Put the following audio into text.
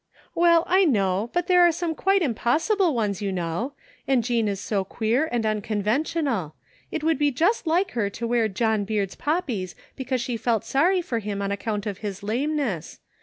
" Well, I know, but there are some quite impossible ones, you know, and Jean is so queer and imconven tional. It would be just like her to wear John Beard's poppies because she felt sorry for him on account of his lameness.